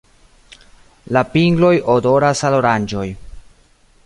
La pingloj odoras al oranĝoj.